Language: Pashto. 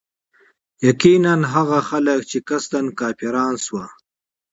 يقيناً هغه خلک چي قصدا كافران شوي